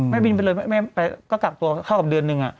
แม่บิลไปกับตัวเข้ากับเดือนหนึ่ง